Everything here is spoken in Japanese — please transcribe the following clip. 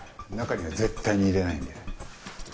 中には絶対に入れないんで。